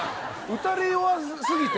打たれ弱過ぎて。